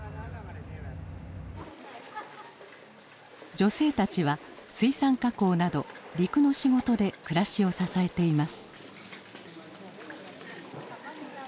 女性たちは水産加工など陸の仕事で暮らしを支えています。